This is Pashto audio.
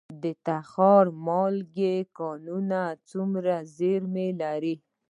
د تخار د مالګې کانونه څومره زیرمې لري؟